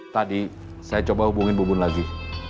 tadi saya coba hubungin bu bun lagi